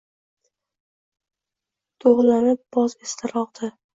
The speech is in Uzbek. Toʼgʼlanib boz eslari ogʼdi